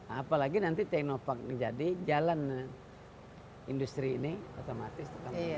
apalagi nanti cek nopac menjadi jalan industri ini otomatis